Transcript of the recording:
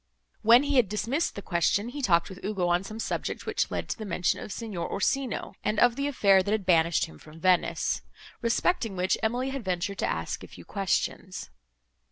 When he had dismissed the question, he talked with Ugo on some subject, which led to the mention of Signor Orsino and of the affair that had banished him from Venice; respecting which Emily had ventured to ask a few questions.